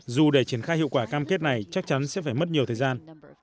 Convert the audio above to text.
dù để triển khai hiệu quả cam kết này chắc chắn sẽ phải mất nhiều thời gian